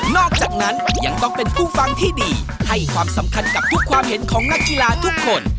อกจากนั้นยังต้องเป็นผู้ฟังที่ดีให้ความสำคัญกับทุกความเห็นของนักกีฬาทุกคน